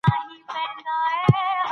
د کار دوامداره فشار د ستړیا سبب دی.